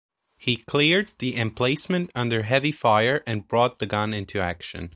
He cleared the emplacement under heavy fire and brought the gun into action.